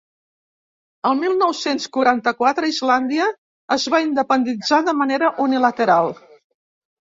El mil nou-cents quaranta-quatre, Islàndia es va independitzar de manera unilateral.